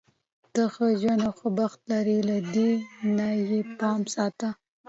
ته ښه ژوند او ښه بخت لری، له دې نه یې پام ساته.